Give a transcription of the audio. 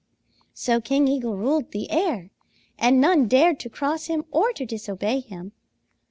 "So King Eagle ruled the air and none dared to cross him or to disobey him.